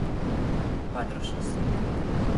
Padruškas.